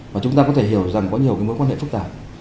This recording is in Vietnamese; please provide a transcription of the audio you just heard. và chúng ta có thể hiểu rằng có nhiều cái mối quan hệ phức tạp